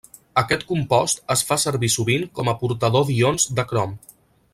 Aquest compost es fa servir sovint com a portador d'ions de crom.